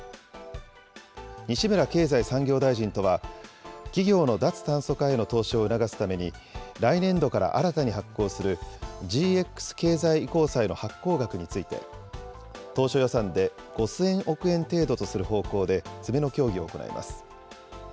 西村経済産業大臣とは、企業の脱炭素化への投資を促すために、来年度から新たに発行するＧＸ経済移行債の発行額について、当初予算で５０００億円程度とする方向で、詰めの協議を行います。